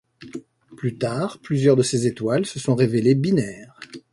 Plus tard, plusieurs de ces étoiles se sont révélées binaires.